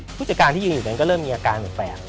ผู้จัดการที่ยืนอยู่นั้นก็เริ่มมีอาการแปลก